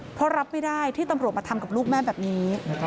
เพราะรับไม่ได้ที่ตำรวจมาทำกับลูกแม่แบบนี้